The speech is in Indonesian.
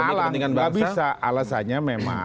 malah nggak bisa alasannya memang